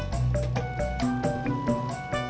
kau yang ada disanjung legislatif